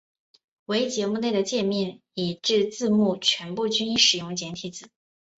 唯节目内的介面以至字幕全部均使用简体字。